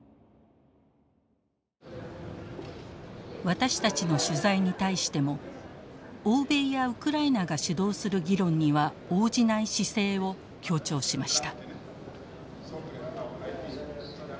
私たちの取材に対しても欧米やウクライナが主導する議論には応じない姿勢を強調しました。